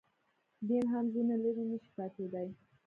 دین هم ځنې لرې نه شي پاتېدای.